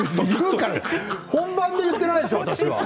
本番で言っていないでしょ私は。